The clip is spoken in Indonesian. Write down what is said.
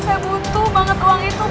saya butuh banget uang itu